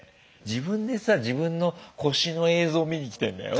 自分でさ自分の腰の映像見にきてんだよ。